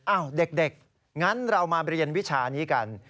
เด็กงั้นเรามาเรียนวิชานี้กัน